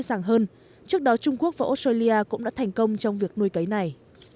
dàng hơn trước đó trung quốc và australia cũng đã thành công trong việc nuôi cấy này